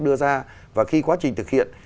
đưa ra và khi quá trình thực hiện